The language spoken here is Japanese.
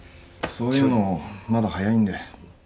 そういうのまだ早いんで。